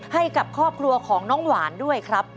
ให้กับครอบครัวของน้องหวานด้วยครับ